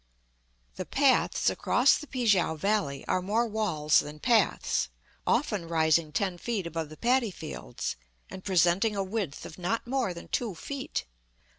The paths across the Pi kiang Valley are more walls than paths, often rising ten feet above the paddy fields, and presenting a width of not more than two feet.